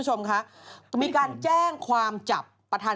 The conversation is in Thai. สวัสดีค่าข้าวใส่ไข่